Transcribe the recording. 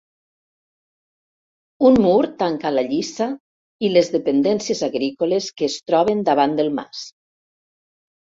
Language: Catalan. Un mur tanca la lliça i les dependències agrícoles que es troben davant del mas.